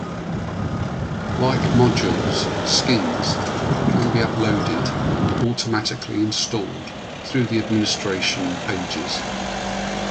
Like modules, skins, can be uploaded and automatically installed through the administration pages.